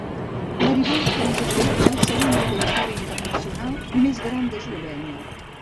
Maribor també té el segon aeroport internacional més gran d'Eslovènia.